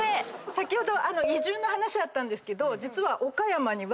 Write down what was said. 先ほど移住の話あったんですけど岡山には。